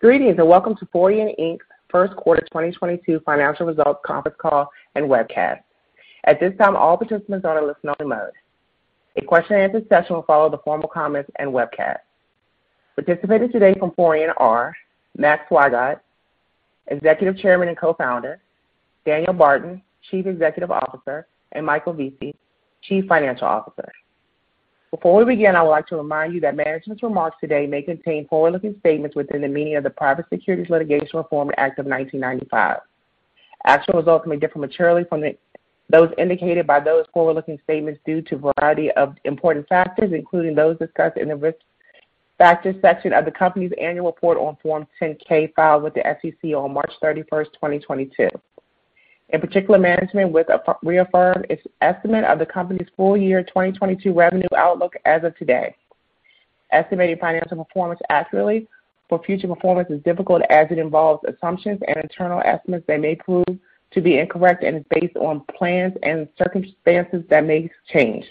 Greetings, and welcome to Forian Inc.'s first quarter 2022 financial results conference call and webcast. At this time, all participants are in listen only mode. A question and answer session will follow the formal comments and webcast. Participating today from Forian are Max Wygod, Executive Chairman and Co-founder, Daniel Barton, Chief Executive Officer, and Michael Vesey, Chief Financial Officer. Before we begin, I would like to remind you that management's remarks today may contain forward-looking statements within the meaning of the Private Securities Litigation Reform Act of 1995. Actual results may differ materially from those indicated by those forward-looking statements due to a variety of important factors, including those discussed in the risk factors section of the company's annual report on Form 10-K filed with the SEC on March 31, 2022. In particular, management will reaffirm its estimate of the company's full year 2022 revenue outlook as of today. Estimating financial performance accurately for future performance is difficult, as it involves assumptions and internal estimates that may prove to be incorrect and is based on plans and circumstances that may change.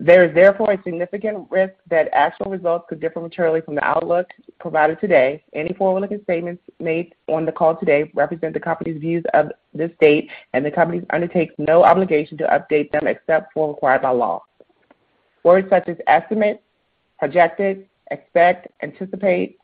There is therefore a significant risk that actual results could differ materially from the outlook provided today. Any forward-looking statements made on the call today represent the company's views as of this date, and the company undertakes no obligation to update them except as required by law. Words such as estimate, projected, expect, anticipate,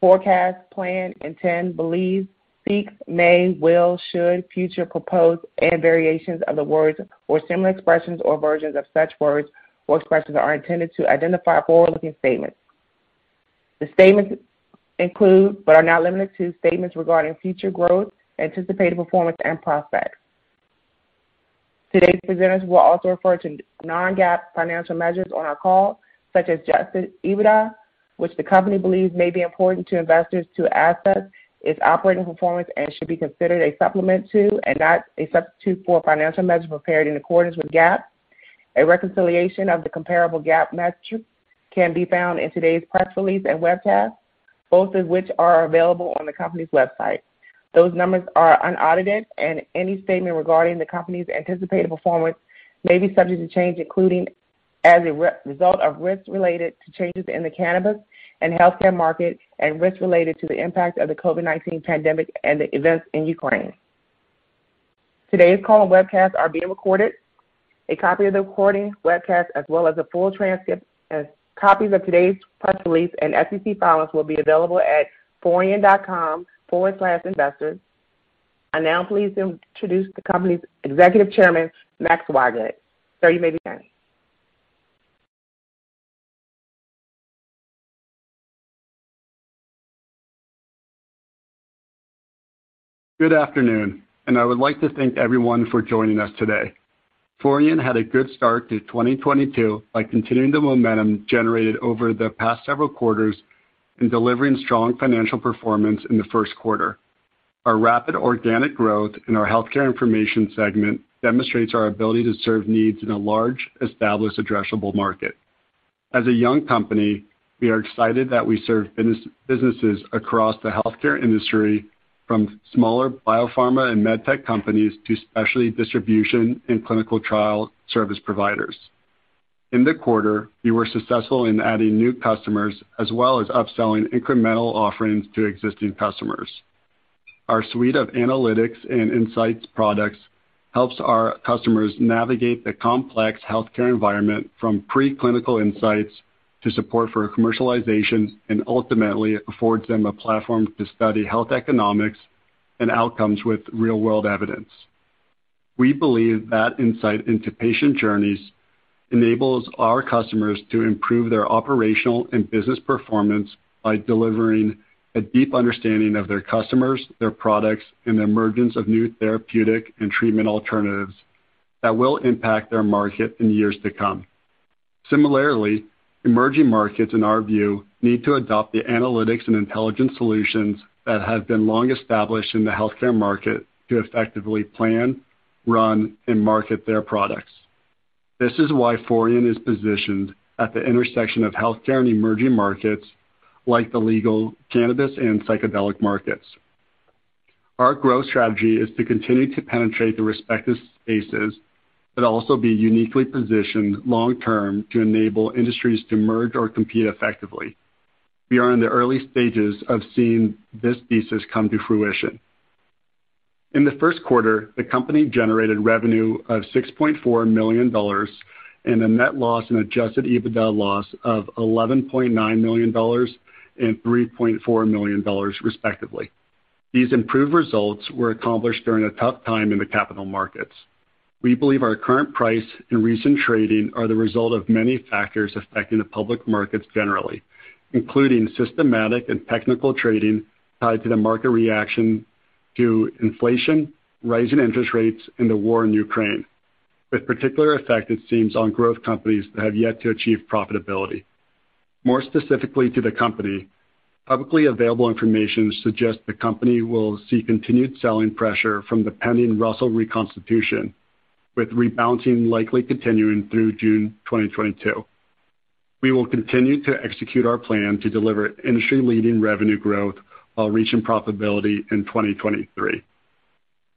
forecast, plan, intend, believe, seek, may, will, should, future, propose, and variations of the words or similar expressions or versions of such words or expressions are intended to identify forward-looking statements. The statements include, but are not limited to, statements regarding future growth, anticipated performance, and prospects. Today's presenters will also refer to non-GAAP financial measures on our call, such as adjusted EBITDA, which the company believes may be important to investors to assess its operating performance and should be considered a supplement to, and not a substitute for, financial measures prepared in accordance with GAAP. A reconciliation of the comparable GAAP measures can be found in today's press release and webcast, both of which are available on the company's website. Those numbers are unaudited, and any statement regarding the company's anticipated performance may be subject to change, including as a result of risks related to changes in the cannabis and healthcare market and risks related to the impact of the COVID-19 pandemic and the events in Ukraine. Today's call and webcast are being recorded. A copy of the recording, webcast, as well as a full transcript and copies of today's press release and SEC filings will be available at Forian.com/investors. I now am pleased to introduce the company's Executive Chairman, Max Wygod. Sir, you may begin. Good afternoon, and I would like to thank everyone for joining us today. Forian had a good start to 2022 by continuing the momentum generated over the past several quarters in delivering strong financial performance in the first quarter. Our rapid organic growth in our healthcare information segment demonstrates our ability to serve needs in a large, established, addressable market. As a young company, we are excited that we serve businesses across the healthcare industry from smaller biopharma and med tech companies to specialty distribution and clinical trial service providers. In the quarter, we were successful in adding new customers as well as upselling incremental offerings to existing customers. Our suite of analytics and insights products helps our customers navigate the complex healthcare environment from preclinical insights to support for commercialization and ultimately affords them a platform to study health economics and outcomes with real-world evidence. We believe that insight into patient journeys enables our customers to improve their operational and business performance by delivering a deep understanding of their customers, their products, and the emergence of new therapeutic and treatment alternatives that will impact their market in years to come. Similarly, emerging markets in our view need to adopt the analytics and intelligence solutions that have been long established in the healthcare market to effectively plan, run, and market their products. This is why Forian is positioned at the intersection of healthcare and emerging markets like the legal cannabis and psychedelic markets. Our growth strategy is to continue to penetrate the respective spaces but also be uniquely positioned long term to enable industries to merge or compete effectively. We are in the early stages of seeing this thesis come to fruition. In the first quarter, the company generated revenue of $6.4 million and a net loss and adjusted EBITDA loss of $11.9 million and $3.4 million, respectively. These improved results were accomplished during a tough time in the capital markets. We believe our current price and recent trading are the result of many factors affecting the public markets generally, including systematic and technical trading tied to the market reaction to inflation, rising interest rates and the war in Ukraine. With particular effect, it seems, on growth companies that have yet to achieve profitability. More specifically to the company, publicly available information suggests the company will see continued selling pressure from the pending Russell reconstitution, with rebounding likely continuing through June 2022. We will continue to execute our plan to deliver industry-leading revenue growth while reaching profitability in 2023.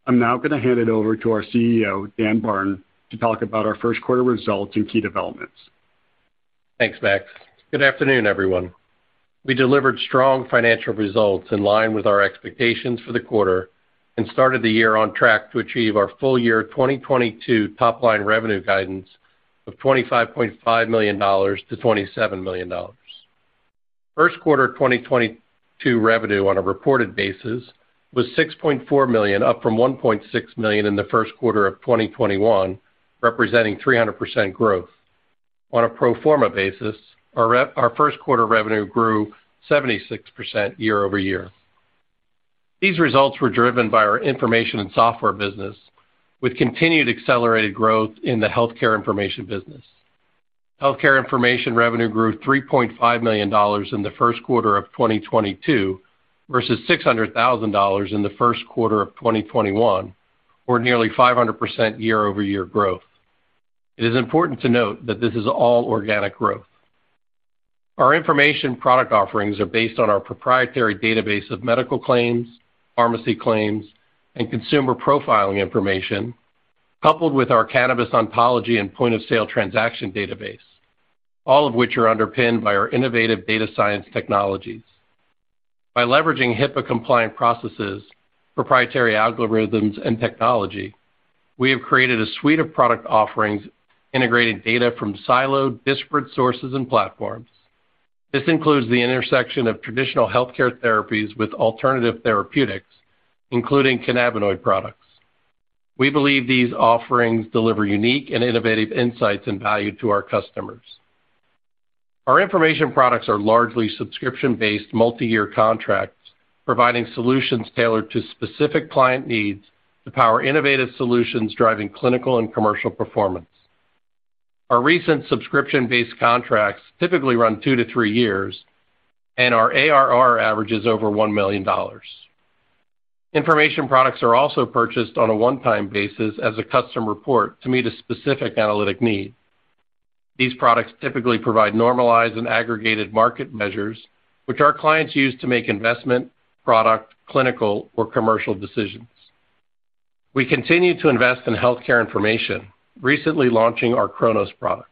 I'm now gonna hand it over to our CEO, Daniel Barton, to talk about our first quarter results and key developments. Thanks, Max. Good afternoon, everyone. We delivered strong financial results in line with our expectations for the quarter and started the year on track to achieve our full-year 2022 top-line revenue guidance of $25.5 million-$27 million. First quarter 2022 revenue on a reported basis was $6.4 million, up from $1.6 million in the first quarter of 2021, representing 300% growth. On a pro forma basis, our first quarter revenue grew 76% year-over-year. These results were driven by our information and software business, with continued accelerated growth in the healthcare information business. Healthcare information revenue grew $3.5 million in the first quarter of 2022 versus $600,000 in the first quarter of 2021, or nearly 500% year-over-year growth. It is important to note that this is all organic growth. Our information product offerings are based on our proprietary database of medical claims, pharmacy claims, and consumer profiling information, coupled with our cannabis ontology and point-of-sale transaction database, all of which are underpinned by our innovative data science technologies. By leveraging HIPAA-compliant processes, proprietary algorithms, and technology, we have created a suite of product offerings integrating data from siloed, disparate sources and platforms. This includes the intersection of traditional healthcare therapies with alternative therapeutics, including cannabinoid products. We believe these offerings deliver unique and innovative insights and value to our customers. Our information products are largely subscription-based multiyear contracts providing solutions tailored to specific client needs to power innovative solutions driving clinical and commercial performance. Our recent subscription-based contracts typically run 2-3 years, and our ARR averages over $1 million. Information products are also purchased on a one-time basis as a custom report to meet a specific analytic need. These products typically provide normalized and aggregated market measures, which our clients use to make investment, product, clinical, or commercial decisions. We continue to invest in healthcare information, recently launching our Kronos product,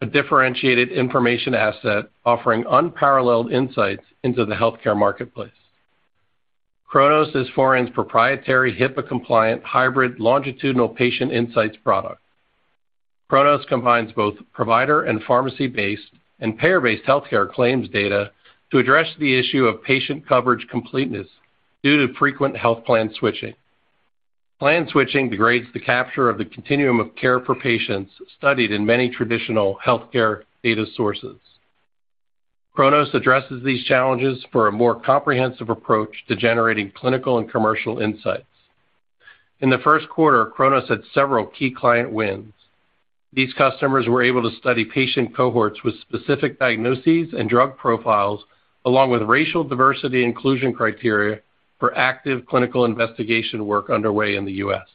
a differentiated information asset offering unparalleled insights into the healthcare marketplace. Kronos is Forian's proprietary HIPAA-compliant hybrid longitudinal patient insights product. Kronos combines both provider and pharmacy-based and payer-based healthcare claims data to address the issue of patient coverage completeness due to frequent health plan switching. Plan switching degrades the capture of the continuum of care for patients studied in many traditional healthcare data sources. Kronos addresses these challenges for a more comprehensive approach to generating clinical and commercial insights. In the first quarter, Kronos had several key client wins. These customers were able to study patient cohorts with specific diagnoses and drug profiles, along with racial diversity inclusion criteria for active clinical investigation work underway in the U.S.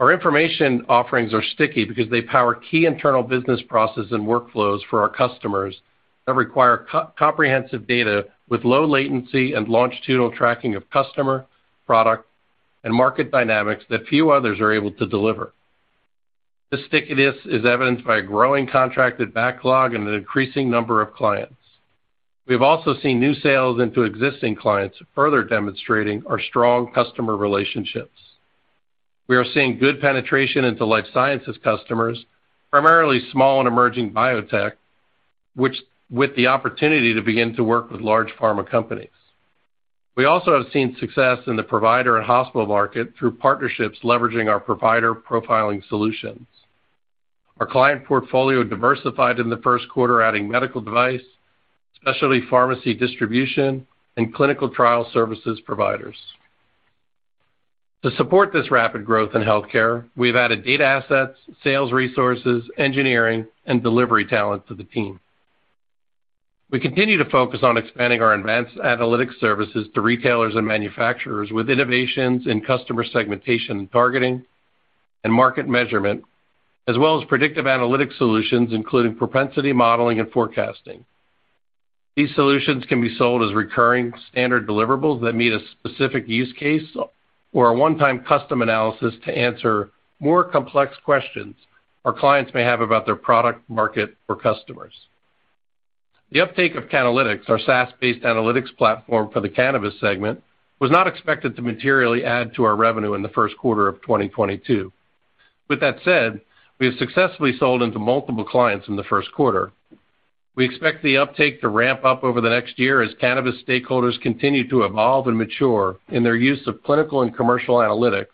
Our information offerings are sticky because they power key internal business processes and workflows for our customers that require comprehensive data with low latency and longitudinal tracking of customer, product, and market dynamics that few others are able to deliver. This stickiness is evidenced by a growing contracted backlog and an increasing number of clients. We have also seen new sales into existing clients, further demonstrating our strong customer relationships. We are seeing good penetration into life sciences customers, primarily small and emerging biotech, which with the opportunity to begin to work with large pharma companies. We also have seen success in the provider and hospital market through partnerships leveraging our provider profiling solutions. Our client portfolio diversified in the first quarter, adding medical device, specialty pharmacy distribution, and clinical trial services providers. To support this rapid growth in healthcare, we have added data assets, sales resources, engineering, and delivery talent to the team. We continue to focus on expanding our advanced analytics services to retailers and manufacturers with innovations in customer segmentation and targeting and market measurement, as well as predictive analytics solutions, including propensity modeling and forecasting. These solutions can be sold as recurring standard deliverables that meet a specific use case or a one-time custom analysis to answer more complex questions our clients may have about their product, market, or customers. The uptake of Cannalytics, our SaaS-based analytics platform for the cannabis segment, was not expected to materially add to our revenue in the first quarter of 2022. With that said, we have successfully sold into multiple clients in the first quarter. We expect the uptake to ramp up over the next year as cannabis stakeholders continue to evolve and mature in their use of clinical and commercial analytics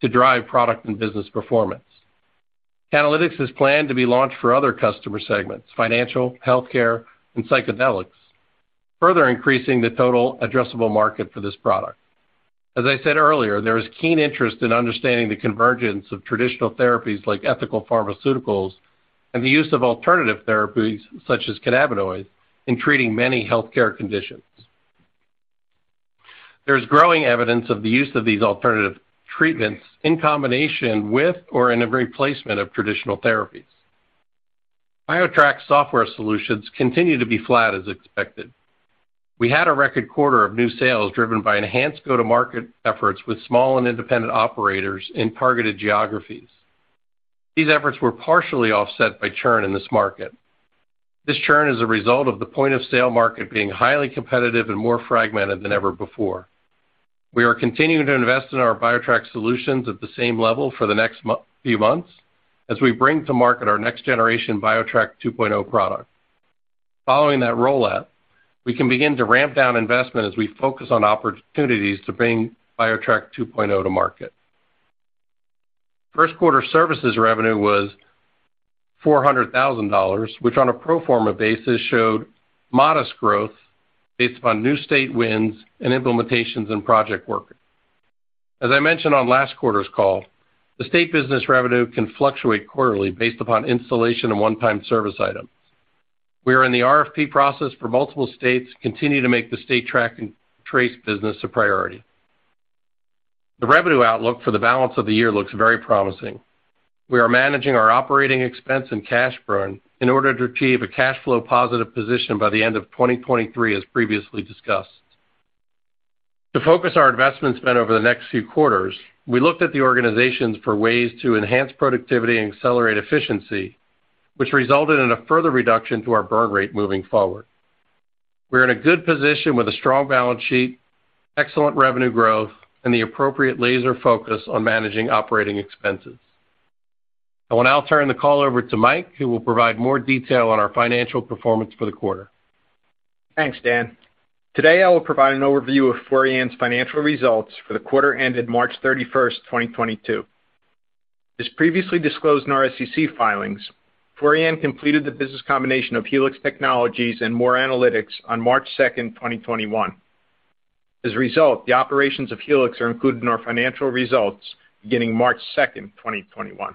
to drive product and business performance. Cannalytics is planned to be launched for other customer segments, financial, healthcare, and psychedelics, further increasing the total addressable market for this product. As I said earlier, there is keen interest in understanding the convergence of traditional therapies like ethical pharmaceuticals and the use of alternative therapies, such as cannabinoids, in treating many healthcare conditions. There is growing evidence of the use of these alternative treatments in combination with or in a replacement of traditional therapies. BioTrack's software solutions continue to be flat as expected. We had a record quarter of new sales driven by enhanced go-to-market efforts with small and independent operators in targeted geographies. These efforts were partially offset by churn in this market. This churn is a result of the point of sale market being highly competitive and more fragmented than ever before. We are continuing to invest in our BioTrack solutions at the same level for the next few months as we bring to market our next generation BioTrack 2.0 product. Following that rollout, we can begin to ramp down investment as we focus on opportunities to bring BioTrack 2.0 to market. First quarter services revenue was $400,000, which on a pro forma basis showed modest growth based upon new state wins and implementations in project work. As I mentioned on last quarter's call, the state business revenue can fluctuate quarterly based upon installation and one-time service items. We are in the RFP process for multiple states, continue to make the state track and trace business a priority. The revenue outlook for the balance of the year looks very promising. We are managing our operating expense and cash burn in order to achieve a cash flow positive position by the end of 2023, as previously discussed. To focus our investment spend over the next few quarters, we looked at the organizations for ways to enhance productivity and accelerate efficiency, which resulted in a further reduction to our burn rate moving forward. We're in a good position with a strong balance sheet, excellent revenue growth, and the appropriate laser focus on managing operating expenses. I will now turn the call over to Mike, who will provide more detail on our financial performance for the quarter. Thanks, Dan. Today, I will provide an overview of Forian's financial results for the quarter ended March 31, 2022. As previously disclosed in our SEC filings, Forian completed the business combination of Helix Technologies and MOR Analytics on March 2, 2021. As a result, the operations of Helix are included in our financial results beginning March 2, 2021.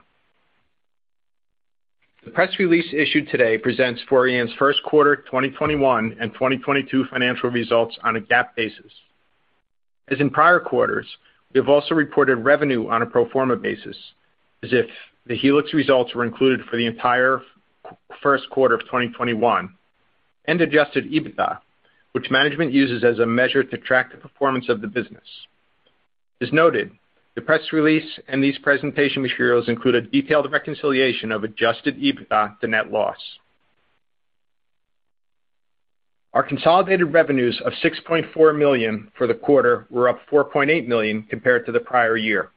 The press release issued today presents Forian's first quarter 2021 and 2022 financial results on a GAAP basis. As in prior quarters, we have also reported revenue on a pro forma basis, as if the Helix results were included for the entire first quarter of 2021, and adjusted EBITDA, which management uses as a measure to track the performance of the business. As noted, the press release and these presentation materials include a detailed reconciliation of adjusted EBITDA to net loss. Our consolidated revenues of $6.4 million for the quarter were up $4.8 million compared to the prior year.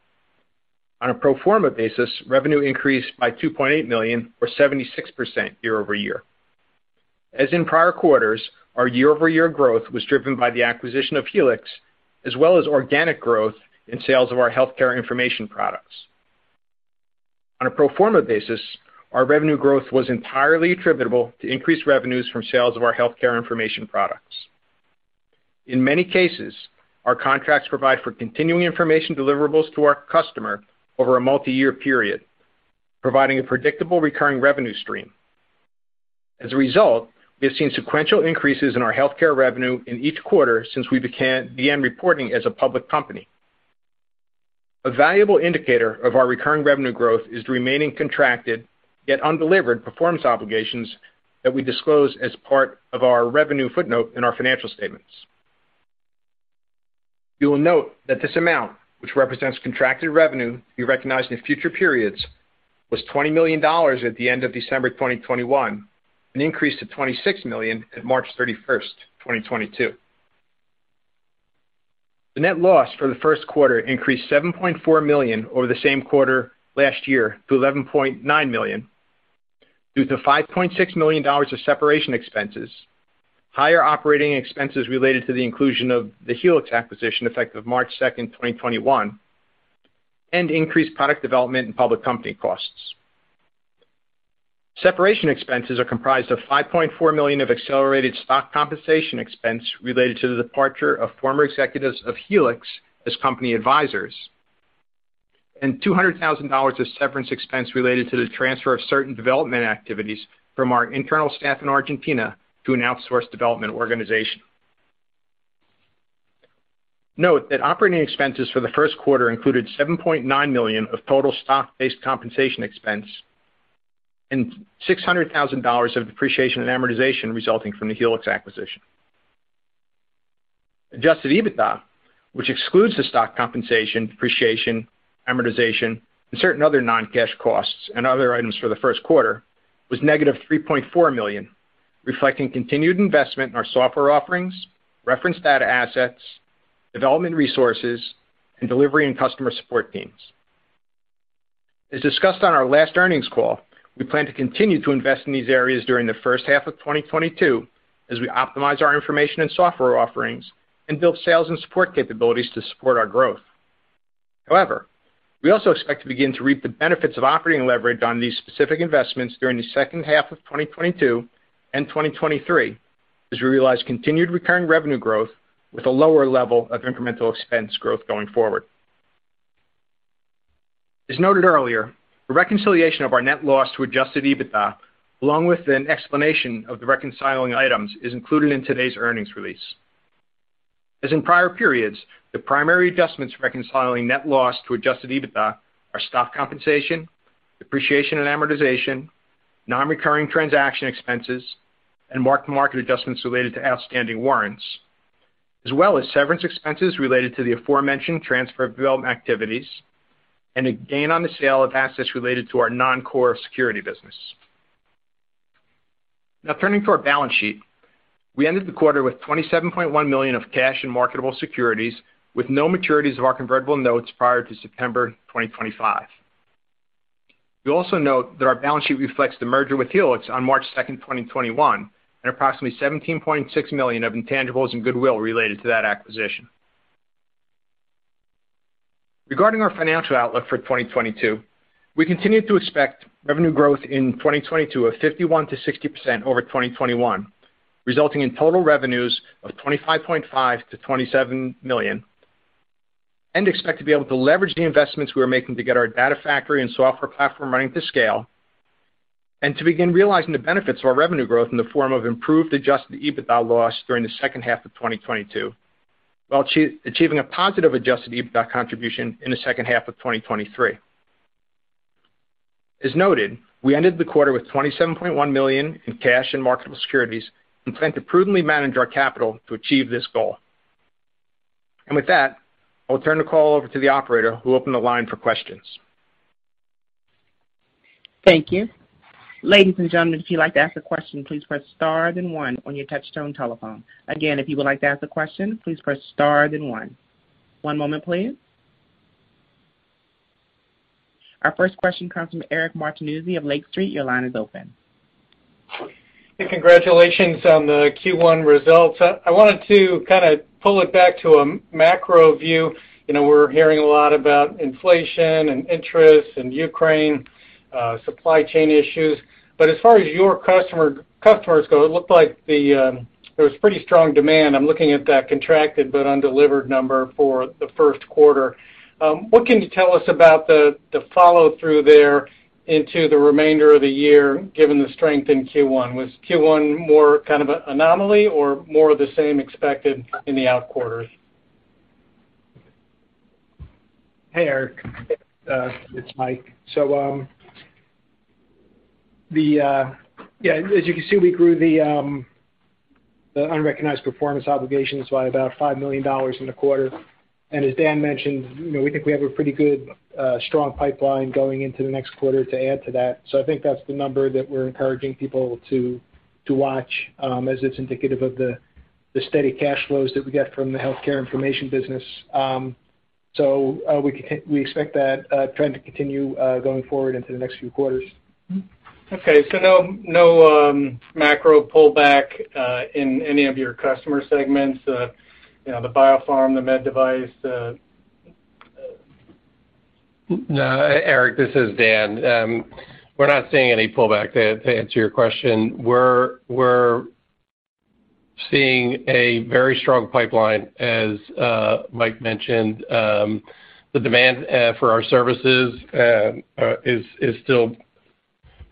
On a pro forma basis, revenue increased by $2.8 million or 76% year-over-year. As in prior quarters, our year-over-year growth was driven by the acquisition of Helix, as well as organic growth in sales of our healthcare information products. On a pro forma basis, our revenue growth was entirely attributable to increased revenues from sales of our healthcare information products. In many cases, our contracts provide for continuing information deliverables to our customer over a multi-year period, providing a predictable recurring revenue stream. As a result, we have seen sequential increases in our healthcare revenue in each quarter since we began reporting as a public company. A valuable indicator of our recurring revenue growth is the remaining contracted yet undelivered performance obligations that we disclose as part of our revenue footnote in our financial statements. You will note that this amount, which represents contracted revenue we recognize in future periods, was $20 million at the end of December 2021 and increased to $26 million at March 31st, 2022. The net loss for the first quarter increased $7.4 million over the same quarter last year to $11.9 million due to $5.6 million of separation expenses, higher operating expenses related to the inclusion of the Helix acquisition effective March 2, 2021, and increased product development and public company costs. Separation expenses are comprised of $5.4 million of accelerated stock compensation expense related to the departure of former executives of Helix as company advisors, and $200,000 of severance expense related to the transfer of certain development activities from our internal staff in Argentina to an outsourced development organization. Note that operating expenses for the first quarter included $7.9 million of total stock-based compensation expense and $600,000 of depreciation and amortization resulting from the Helix acquisition. Adjusted EBITDA, which excludes the stock compensation, depreciation, amortization, and certain other non-cash costs and other items for the first quarter, was -$3.4 million, reflecting continued investment in our software offerings, reference data assets, development resources, and delivery and customer support teams. As discussed on our last earnings call, we plan to continue to invest in these areas during the first half of 2022 as we optimize our information and software offerings and build sales and support capabilities to support our growth. However, we also expect to begin to reap the benefits of operating leverage on these specific investments during the second half of 2022 and 2023 as we realize continued recurring revenue growth with a lower level of incremental expense growth going forward. As noted earlier, the reconciliation of our net loss to adjusted EBITDA, along with an explanation of the reconciling items, is included in today's earnings release. As in prior periods, the primary adjustments reconciling net loss to adjusted EBITDA are stock compensation, depreciation and amortization, non-recurring transaction expenses, and mark-to-market adjustments related to outstanding warrants, as well as severance expenses related to the aforementioned transfer of development activities and a gain on the sale of assets related to our non-core security business. Now turning to our balance sheet. We ended the quarter with $27.1 million of cash and marketable securities, with no maturities of our convertible notes prior to September 2025. You'll also note that our balance sheet reflects the merger with Helix on March 2, 2021, and approximately $17.6 million of intangibles and goodwill related to that acquisition. Regarding our financial outlook for 2022, we continue to expect revenue growth in 2022 of 51%-60% over 2021, resulting in total revenues of $25.5 million-$27 million, and expect to be able to leverage the investments we are making to get our data factory and software platform running to scale. And to begin realizing the benefits of our revenue growth in the form of improved adjusted EBITDA loss during the second half of 2022, while achieving a positive adjusted EBITDA contribution in the second half of 2023. As noted, we ended the quarter with $27.1 million in cash and marketable securities and plan to prudently manage our capital to achieve this goal. With that, I'll turn the call over to the operator, who will open the line for questions. Thank you. Ladies and gentlemen, if you'd like to ask a question, please press star then one on your touchtone telephone. Again, if you would like to ask a question, please press star then one. One moment please. Our first question comes from Eric Martinuzzi of Lake Street. Your line is open. Hey, congratulations on the Q1 results. I wanted to kinda pull it back to a macro view. You know, we're hearing a lot about inflation and interest and Ukraine, supply chain issues. As far as your customers go, it looked like there was pretty strong demand. I'm looking at that contracted but undelivered number for the first quarter. What can you tell us about the follow-through there into the remainder of the year given the strength in Q1? Was Q1 more kind of an anomaly or more of the same expected in the out quarters? Hey, Eric, it's Mike. As you can see, we grew the unrecognized performance obligations by about $5 million in the quarter. As Dan mentioned, you know, we think we have a pretty good strong pipeline going into the next quarter to add to that. I think that's the number that we're encouraging people to watch, as it's indicative of the steady cash flows that we get from the healthcare information business. We expect that trend to continue going forward into the next few quarters. Okay. No macro pullback in any of your customer segments, you know, the biopharm, the med device. No, Eric, this is Dan. We're not seeing any pullback, to answer your question. We're seeing a very strong pipeline, as Mike mentioned. The demand for our services is still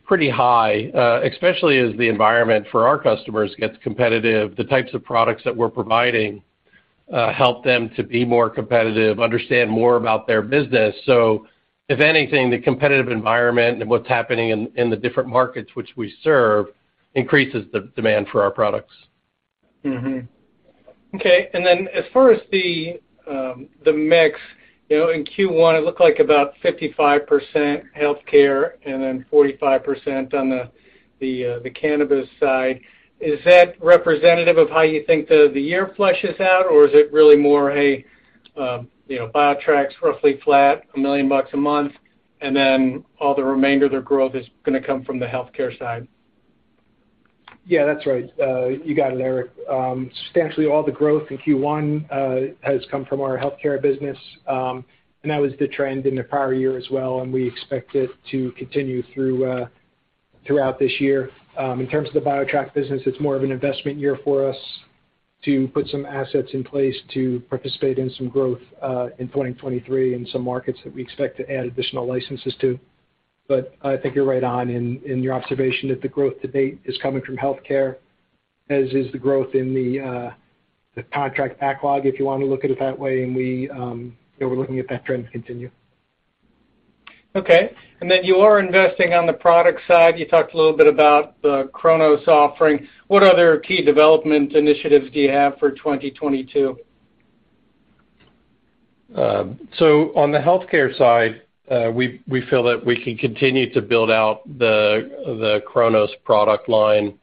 pretty high, especially as the environment for our customers gets competitive. The types of products that we're providing help them to be more competitive, understand more about their business. If anything, the competitive environment and what's happening in the different markets which we serve increases the demand for our products. Okay. Then as far as the mix, you know, in Q1, it looked like about 55% healthcare and then 45% on the cannabis side. Is that representative of how you think the year fleshes out, or is it really more, you know, BioTrack's roughly flat, $1 million a month, and then all the remainder of their growth is gonna come from the healthcare side? Yeah, that's right. You got it, Eric. Substantially all the growth in Q1 has come from our healthcare business, and that was the trend in the prior year as well, and we expect it to continue throughout this year. In terms of the BioTrack business, it's more of an investment year for us to put some assets in place to participate in some growth in 2023 in some markets that we expect to add additional licenses to. But I think you're right on in your observation that the growth to date is coming from healthcare, as is the growth in the contract backlog, if you want to look at it that way. We're looking at that trend to continue. Okay. You are investing on the product side. You talked a little bit about the Kronos offering. What other key development initiatives do you have for 2022? On the healthcare side, we feel that we can continue to build out the Kronos product line.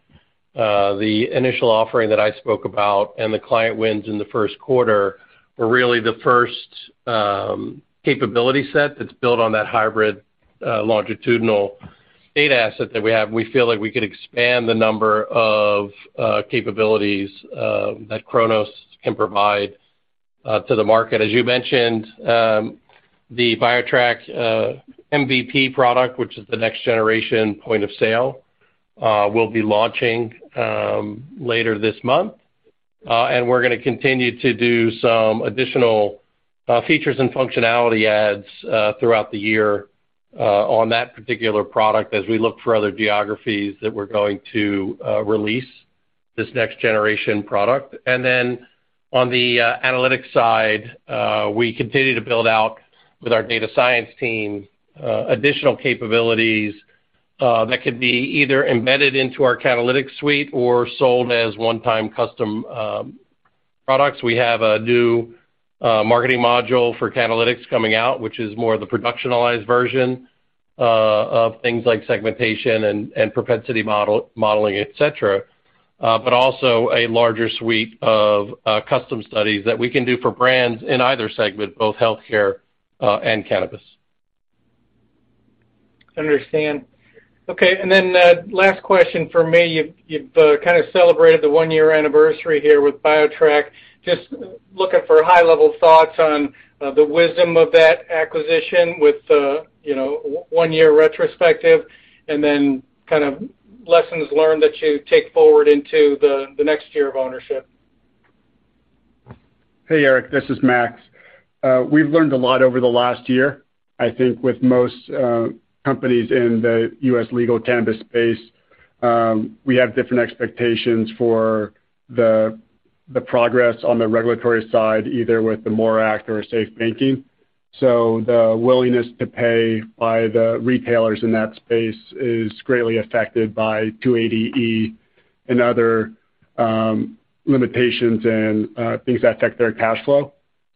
The initial offering that I spoke about and the client wins in the first quarter were really the first capability set that's built on that hybrid longitudinal data asset that we have. We feel like we could expand the number of capabilities that Kronos can provide to the market. As you mentioned, the BioTrack MVP product, which is the next generation point-of-sale, will be launching later this month. We're gonna continue to do some additional features and functionality adds throughout the year on that particular product as we look for other geographies that we're going to release this next generation product. On the analytics side, we continue to build out with our data science team additional capabilities that could be either embedded into our Cannalytics suite or sold as one-time custom products. We have a new marketing module for Cannalytics coming out, which is more the productionalized version of things like segmentation and propensity modeling, etc. also a larger suite of custom studies that we can do for brands in either segment, both healthcare and cannabis. Understand. Okay. Last question for me. You've kind of celebrated the one-year anniversary here with BioTrack. Just looking for high-level thoughts on the wisdom of that acquisition with the one year retrospective and then kind of lessons learned that you take forward into the next year of ownership. Hey, Eric, this is Max. We've learned a lot over the last year. I think with most companies in the U.S. legal cannabis space, we have different expectations for the progress on the regulatory side, either with the MORE Act or SAFE Banking Act. The willingness to pay by the retailers in that space is greatly affected by 280E and other limitations and things that affect their cash flow.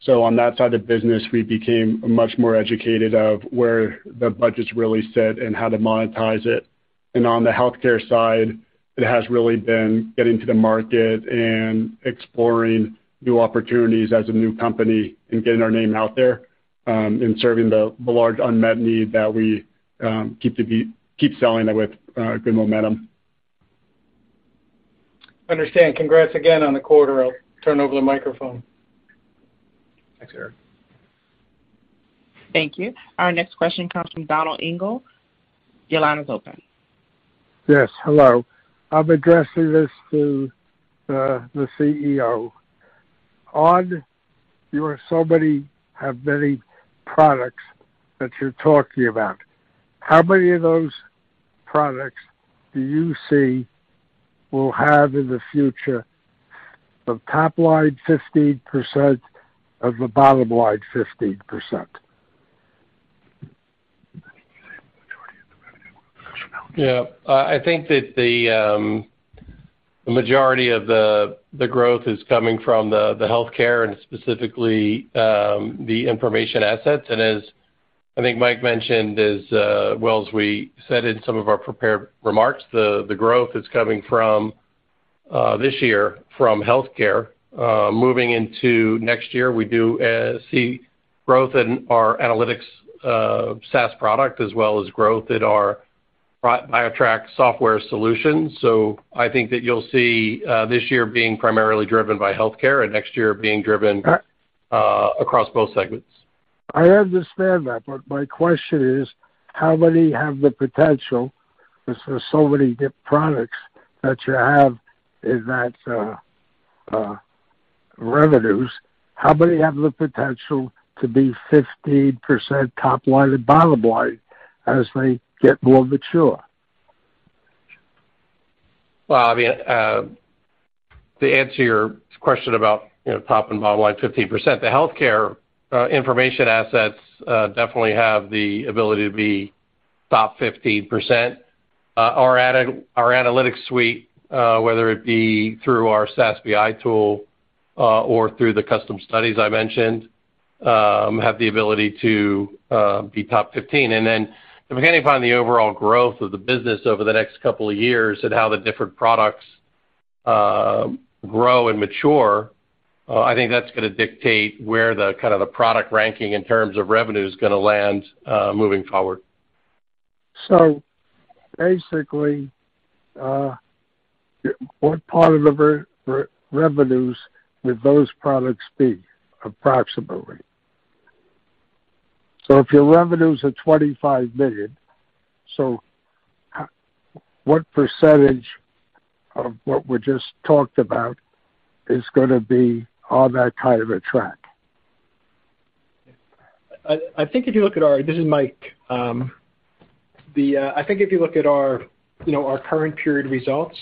On that side of the business, we became much more educated of where the budgets really sit and how to monetize it. On the healthcare side, it has really been getting to the market and exploring new opportunities as a new company and getting our name out there and serving the large unmet need that we keep selling with good momentum. Understood. Congrats again on the quarter. I'll turn over the microphone. Thanks, Eric. Thank you. Our next question comes from Donald Engel. Your line is open. Yes. Hello. I'm addressing this to the CEO. You have so many products that you're talking about, how many of those products do you see will have in the future of top line 15%, of the bottom line 15%? Yeah. I think that the majority of the growth is coming from the healthcare and specifically the information assets. As I think Mike mentioned, as well as we said in some of our prepared remarks, the growth is coming from this year from healthcare. Moving into next year, we do see growth in our analytics SaaS product as well as growth at our BioTrack software solutions. I think that you'll see this year being primarily driven by healthcare and next year being driven across both segments. I understand that, but my question is how many have the potential, because there's so many dip products that you have in that, revenues, how many have the potential to be 15% top line and bottom line as they get more mature? Well, to answer your question about top and bottom line 15%, the healthcare information assets definitely have the ability to be top 15%. Our analytics suite, whether it be through our SaaS BI tool or through the custom studies I mentioned, have the ability to be top 15%. Then depending upon the overall growth of the business over the next couple of years and how the different products grow and mature, I think that's gonna dictate where the kind of the product ranking in terms of revenue is gonna land, moving forward. Basically, what part of the revenues would those products be approximately? If your revenues are $25 million, what percentage of what we just talked about is gonna be on that kind of a track? I think if you look at our you know, our current period results,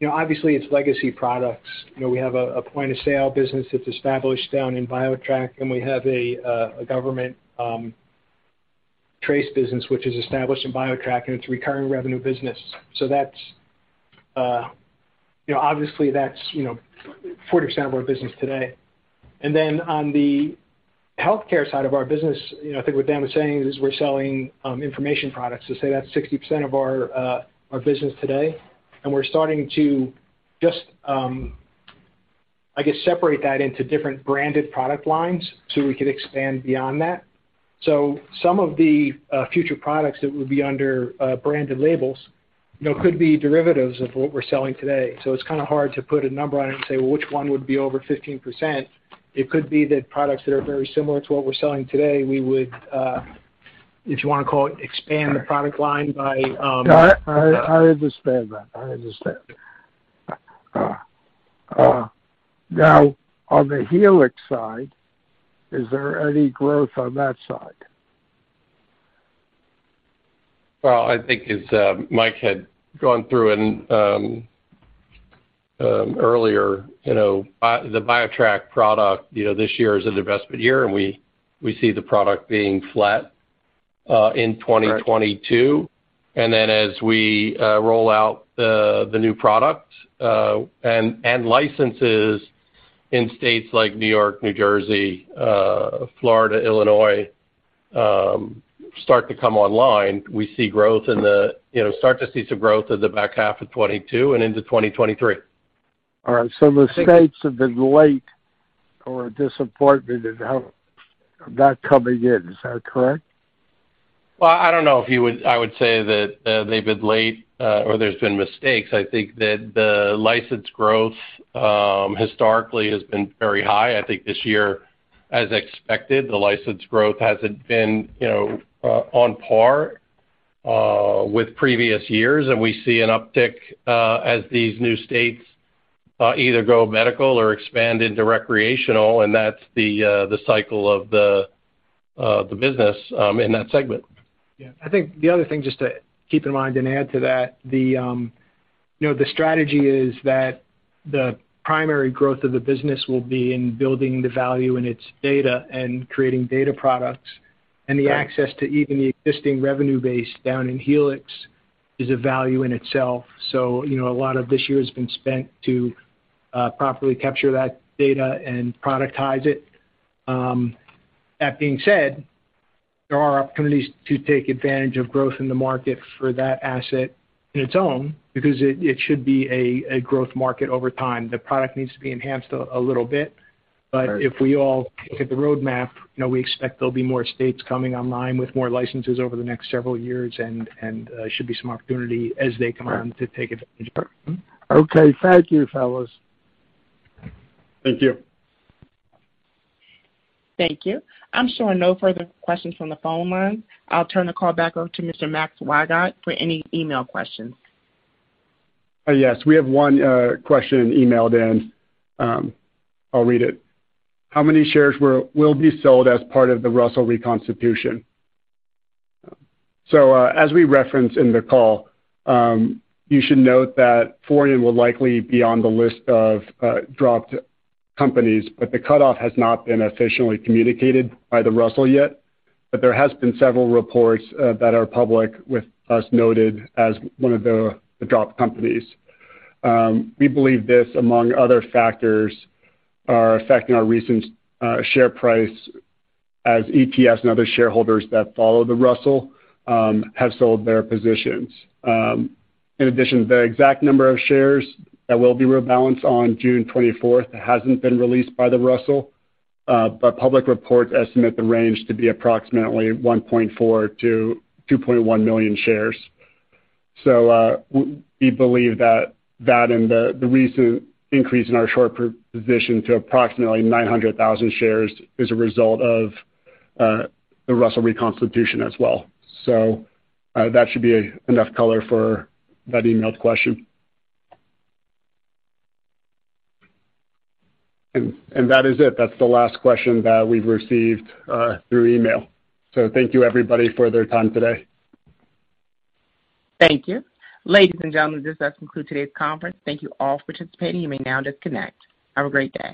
you know, obviously it's legacy products. This is Mike. I think if you look at our you know, our current period results obviously it's legacy products. We have a point of sale business that's established down in BioTrack, and we have a government trace business, which is established in BioTrack, and it's recurring revenue business. So that's obviously forty percent of our business today. Then on the healthcare side of our business I think what Dan was saying is we're selling information products. So say that's sixty percent of our business today. We're starting to just I guess separate that into different branded product lines so we could expand beyond that. Some of the future products that would be under branded labels could be derivatives of what we're selling today. It's kinda hard to put a number on it and say which one would be over 15%. It could be that products that are very similar to what we're selling today, we would, if you wanna call it, expand the product line by I understand that. Now on the Helix side, is there any growth on that side? Well, I think as Mike had gone through and earlier, you know, BioTrack product this year is investment year, and we see the product being flat in 2022. Then as we roll out the new product and licenses in states like New York, New Jersey, Florida, Illinois start to come online, we start to see some growth in the back half of 2022 and into 2023. All right. The states have been late or disappointed in how not coming in. Is that correct? Well, I would say that they've been late or there's been mistakes. I think that the license growth historically has been very high. I think this year, as expected, the license growth hasn't been on par with previous years, and we see an uptick as these new states either go medical or expand into recreational, and that's the cycle of the business in that segment. Yeah. I think the other thing just to keep in mind and add to that, the strategy is that the primary growth of the business will be in building the value in its data and creating data products. Right. The access to even the existing revenue base down in Helix is a value in itself. A lot of this year has been spent to properly capture that data and productize it. That being said, there are opportunities to take advantage of growth in the market for that asset in its own because it should be a growth market over time. The product needs to be enhanced a little bit. Right. If we all look at the roadmap, we expect there'll be more states coming online with more licenses over the next several years and should be some opportunity as they come on to take advantage of them. Okay. Thank you, fellas. Thank you. Thank you. I'm showing no further questions from the phone line. I'll turn the call back over to Mr. Max Wygod for any email questions. Yes, we have one question emailed in. I'll read it. How many shares will be sold as part of the Russell reconstitution? As we referenced in the call, you should note that Forian will likely be on the list of dropped companies, but the cutoff has not been officially communicated by the Russell yet. There has been several reports that are public with us noted as one of the dropped companies. We believe this among other factors are affecting our recent share price as ETFs and other shareholders that follow the Russell have sold their positions. In addition, the exact number of shares that will be rebalanced on June 24th hasn't been released by the Russell, but public reports estimate the range to be approximately 1.4-2.1 million shares. We believe that and the recent increase in our short position to approximately 900,000 shares is a result of the Russell reconstitution as well. That should be enough color for that emailed question. That is it. That's the last question that we've received through email. Thank you everybody for their time today. Thank you. Ladies and gentlemen, this does conclude today's conference. Thank you all for participating. You may now disconnect. Have a great day.